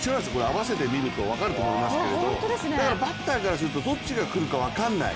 合わせて見ると分かると思うんですけど、バッターからするとどっちがくるか分からない